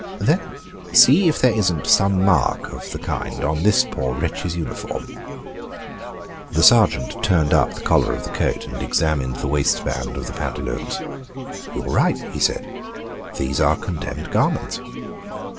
"Then see if there isn't some mark of the kind on this poor wretch's uniform." The sergeant turned up the collar of the coat and examined the waist band of the pantaloons. "You are right," he said, "these are condemned garments."